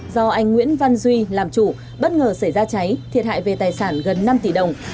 do anh nguyễn văn duy làm chủ bất ngờ xảy ra cháy thiệt hại về tài sản gần năm tỷ đồng